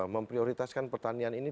memprioritaskan pertanian ini